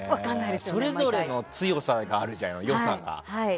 それぞれの強さがあるじゃん良さが。